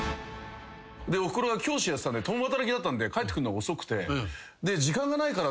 おふくろが教師やってたんで共働きだったんで帰ってくるの遅くて。